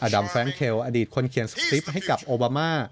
ดำแร้งเชลอดีตคนเขียนสคริปต์ให้กับโอบามา